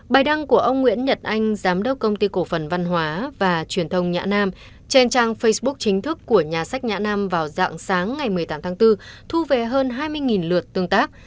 bài đăng của ông nguyễn nhật anh giám đốc công ty cổ phần văn hóa và truyền thông nhã nam trên trang facebook chính thức của nhà sách nhã nam vào dạng sáng ngày một mươi tám tháng bốn thu về hơn hai mươi lượt tương tác